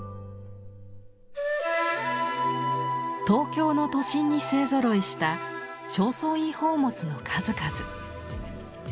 東京の都心に勢ぞろいした正倉院宝物の数々。